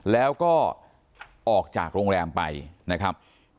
แล้วก็ออกจากโรงแรมไปนะครับ